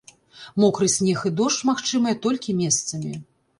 Мокры снег і дождж магчымыя толькі месцамі.